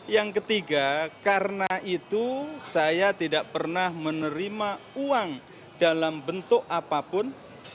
yang ketiga karena itu saya tidak pernah menerima uang dalam bentuk apapun